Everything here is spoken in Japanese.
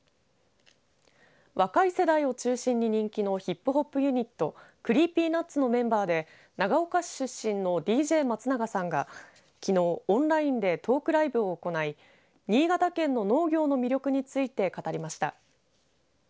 若い世代を中心に人気のヒップホップユニットＣｒｅｅｐｙＮｕｔｓのメンバーで長岡市出身のＤＪ松永さんがきのう、オンラインでトークライブを行い新潟県の農業の魅力について語りました。